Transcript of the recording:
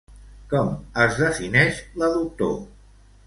Com es defineix la doctor.